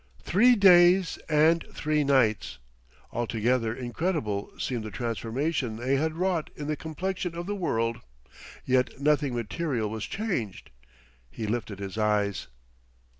Three days and three nights! Altogether incredible seemed the transformation they had wrought in the complexion of the world. Yet nothing material was changed.... He lifted his eyes.